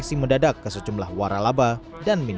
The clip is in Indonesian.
itu ada biaya tambahan gak bu